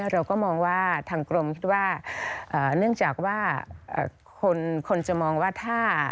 เราก็มองว่าทางกรมคิดว่าเนื่องจากว่าคนจะมองว่าถ้า